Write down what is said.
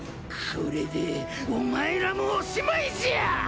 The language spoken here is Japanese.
これでお前らもおしまいじゃ！